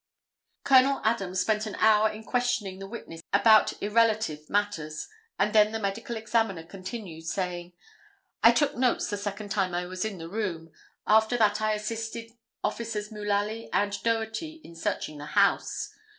[Illustration: CENTRAL POLICE STATION.] Col. Adams spent an hour in questioning the witness about irrelative matters and then the Medical Examiner continued saying: "I took notes the second time I was in the room; after that I assisted Officers Mullaly and Doherty in searching the house.